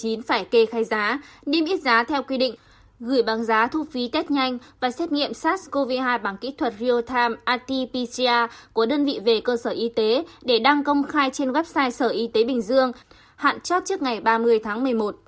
xét nghiệm sars cov hai bằng kỹ thuật real time rt pcr đêm ít giá theo quy định gửi bằng giá thu phí tết nhanh và xét nghiệm sars cov hai bằng kỹ thuật real time rt pcr của đơn vị về cơ sở y tế để đăng công khai trên website sở y tế bình dương hạn chót trước ngày ba mươi tháng một mươi một